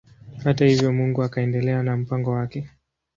Hata hivyo Mungu akaendelea na mpango wake.